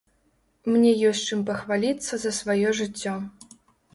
Мне ёсць чым пахваліцца за сваё жыццё.